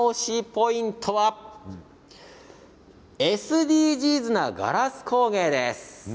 ポイントはＳＤＧｓなガラス工芸です。